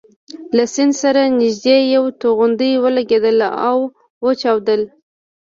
له سیند سره نژدې یوه توغندۍ ولګېدل او وچاودل.